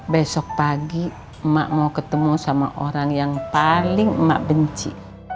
besok pagi emak mau ketemu sama orang yang paling mak benci